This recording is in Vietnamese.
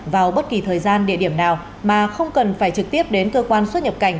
vào bất kỳ thời gian địa điểm nào mà không cần phải trực tiếp đến cơ quan xuất nhập cảnh